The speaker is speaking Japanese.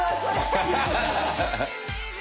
ハハハハ！